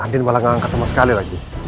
andien malah gak angkat sama sekali lagi